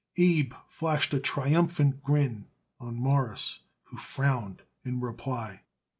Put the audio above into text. Abe flashed a triumphant grin on Morris, who frowned in reply.